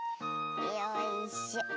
よいしょ。